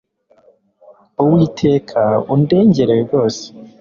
uwiteka undengere rwose